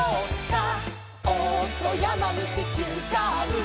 「おっとやまみちきゅうカーブ」「」